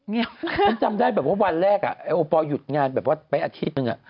ฉันจำได้แบบว่าวันแรกอ่ะไอโอปอลหยุดงานแบบว่าไปอาทิตย์หนึ่งอ่ะ